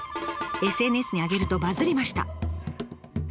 ＳＮＳに上げるとバズりました。